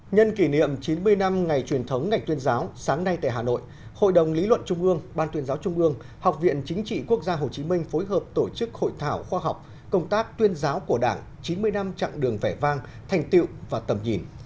nhân kỷ niệm chín mươi năm ngày truyền thống ngành tuyên giáo sáng nay tại hà nội hội đồng lý luận trung ương ban tuyên giáo trung ương học viện chính trị quốc gia hồ chí minh phối hợp tổ chức hội thảo khoa học công tác tuyên giáo của đảng chín mươi năm chặng đường vẻ vang thành tiệu và tầm nhìn